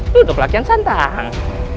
duduklah laki laki yang santang